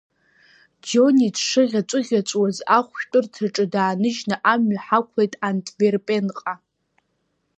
Џьони дшыӷьаҵәыӷьаҵәуаз ахәшәтәырҭаҿы дааныжьны амҩа ҳақәлеит Антверпенҟа.